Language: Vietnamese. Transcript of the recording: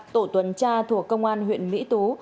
tổ tuần tra thuộc công an huyện mỹ tú